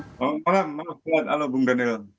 selamat malam sehat halo bung daniel